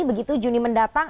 begitu juni mendatang